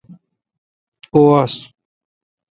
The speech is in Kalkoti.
کو آس۔